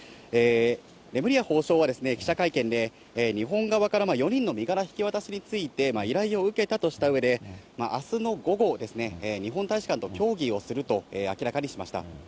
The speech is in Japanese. レムリヤ法相は、記者会見で、日本側から４人の身柄引き渡しについて依頼を受けたとしたうえで、あすの午後、日本大使館と協議をすると明らかにしました。